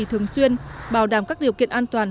thường xuyên bảo đảm các điều kiện an toàn